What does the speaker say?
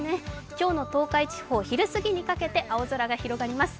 今日の東海地方、昼過ぎにかけて青空が広がります。